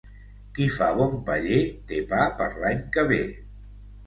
Qui fa bon paller té pa per l'any que ve.